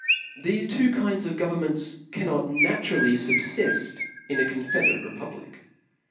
Thefe two kinds of government cannot naturally fubfift in a confederate republic.